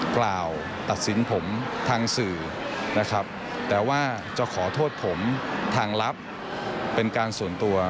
กล่าวตัดสินผมทางสื่อนะครับแต่ว่าจะขอโทษผมทางลับเป็นการส่วนตัว